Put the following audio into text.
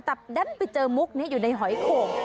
แต่ดันไปเจอมุกนี้อยู่ในหอยโข่ง